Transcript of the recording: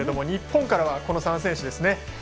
日本からはこの３選手。